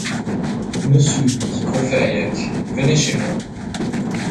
Monsieur, dit Courfeyrac, venez chez moi.